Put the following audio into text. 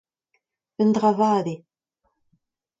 un dra vat eo.